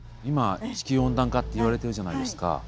今地球温暖化って言われてるじゃないですか。